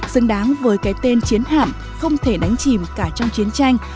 xứng đáng với cái tên chiến hạm không thể đánh chìm cả trong chiến tranh